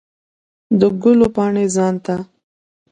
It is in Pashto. د ګلو پاڼې ځان ته